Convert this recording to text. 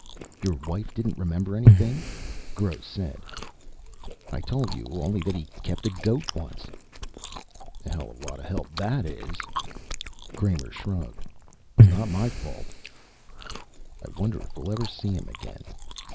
"Your wife didn't remember anything?" Gross said. "I told you. Only that he kept a goat, once." "A hell of a lot of help that is." Kramer shrugged. "It's not my fault." "I wonder if we'll ever see him again."